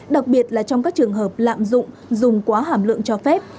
đặc biệt là trong các trường hợp lạm dụng dùng quá hàm lượng cho phép